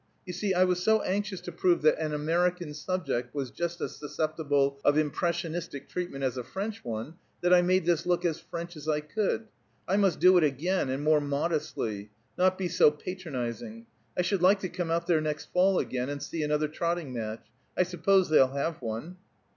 You see I was so anxious to prove that an American subject was just as susceptible of impressionistic treatment as a French one, that I made this look as French as I could. I must do it again and more modestly; not be so patronizing. I should like to come out there next fall again, and see another trotting match. I suppose they'll have one?"